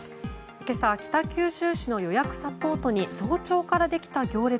今朝北九州市の予約サポートに早朝からできた行列